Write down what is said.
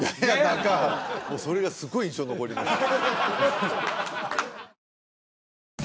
それがすごい印象に残りました